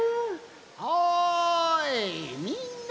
おいみんな。